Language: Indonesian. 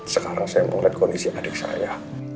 sekarang saya mau rekondisi adik saya